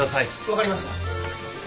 分かりました。